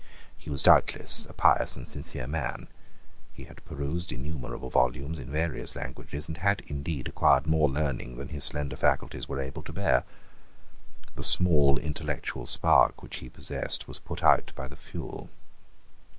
He was doubtless a pious and sincere man. He had perused innumerable volumes in various languages, and had indeed acquired more learning than his slender faculties were able to bear. The small intellectual spark which he possessed was put out by the fuel.